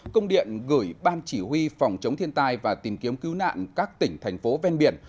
công điện gửi ban chỉ huy phòng chống thiên tai và tìm kiếm cứu nạn các tỉnh thành phố ven biển